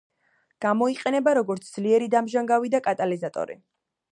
გამოიყენება როგორც ძლიერი დამჟანგავი და კატალიზატორი.